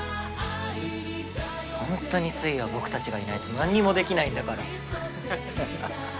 本当にスイは僕たちがいないとなんにもできないんだから。